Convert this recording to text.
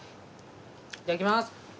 いただきます。